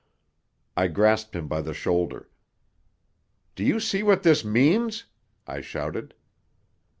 I grasped him by the shoulder. "Do you see what this means?" I shouted.